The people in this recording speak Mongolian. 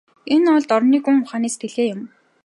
Энэ бол дорнын гүн ухааны сэтгэлгээ юм.